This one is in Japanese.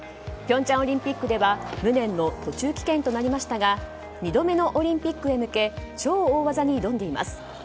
平昌オリンピックでは無念の途中棄権となりましたが２度目のオリンピックへ向け超大技に挑んでいます。